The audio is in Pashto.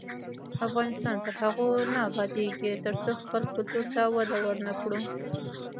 افغانستان تر هغو نه ابادیږي، ترڅو خپل کلتور ته وده ورنکړو.